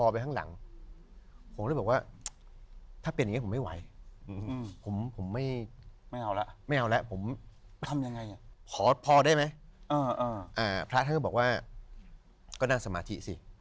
พระท่านก็บอกว่าก็นั่งสมาธิสิ